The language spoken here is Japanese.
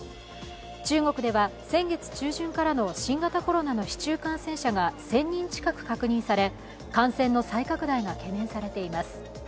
中国では先月中旬からの新型コロナの市中感染者が１０００人近く確認され、感染の再拡大が懸念されています。